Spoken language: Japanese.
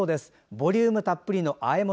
ボリュームたっぷりのあえ物。